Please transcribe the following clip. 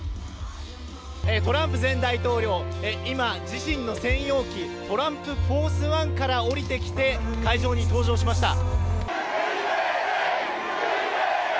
トランプ前大統領、今、自身の専用機、トランプ・フォース・ワンから降りてきて、会場に到着しました。